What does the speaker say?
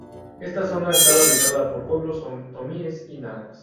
Esta zona estaba habitada por pueblos otomíes y nahuas.